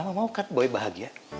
mama mau kan boy bahagia